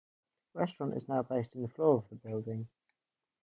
A restaurant is now based in the ground floor of the building.